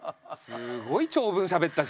すごい長文しゃべったじゃん。